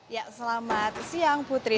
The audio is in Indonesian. ya selamat siang putri